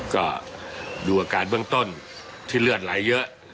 ก็ดูอาการเบื้องต้นที่เลือดไหลเยอะ